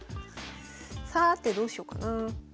さてどうしようかな。